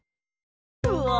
うわ！